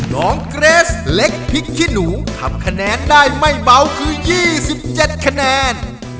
น้องเกรสเล็กพริกขี้หนูทำคะแนนได้ไม่เบาคือ๒๗คะแนน